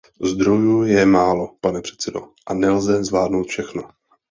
Zdrojů je málo, pane předsedo, a nelze zvládnout všechno.